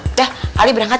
udah ali berangkat